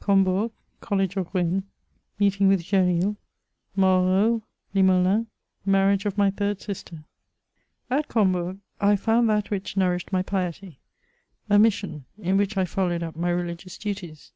COMBOURO — COLLEGE OF RENNES — MEETING WITH OESRIL — MOREAU, LIMOELAN— MARRIAGE OV MT THIRD BISTER. At Combourg, I found that which nourished my piety — a mission, in which I followed up my religious duties.